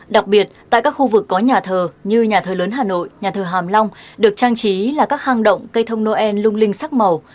đặc biệt tại các khu vực có nhà thờ như nhà thờ lớn hà nội nhà thờ hàm long được trang trí là các hang động cây thông noel lung linh sắc màu